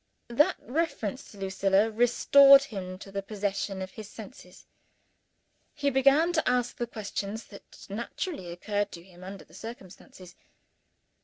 That reference to Lucilla restored him to the possession of his senses. He began to ask the questions that naturally occurred to him under the circumstances.